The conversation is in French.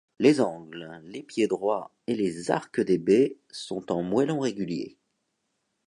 Les angles, les pieds-droits et les arcs des baies sont en moellons réguliers.